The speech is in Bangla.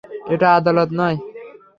এটা আদালত নয়।